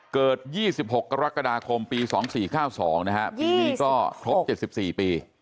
เกิด๒๖กรกฎาคมปี๒๔๙๒นะฮะปีนี้ก็ครบ๗๔ปี